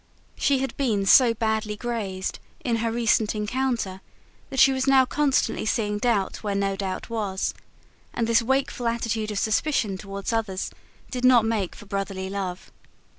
She had been so badly grazed, in her recent encounter, that she was now constantly seeing doubt where no doubt was; and this wakeful attitude of suspicion towards others did not make for brotherly love.